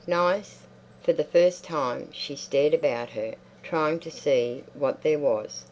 Nice? For the first time she stared about her, trying to see what there was....